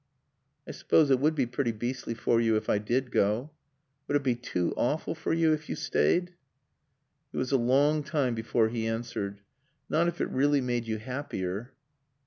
"I suppose it would be pretty beastly for you if I did go." "Would it be too awful for you if you stayed?" He was a long time before he answered. "Not if it really made you happier."